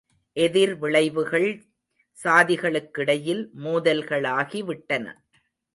எதிர் விளைவுகள் சாதிகளுக்கிடையில் மோதல்களாகி விட்டன.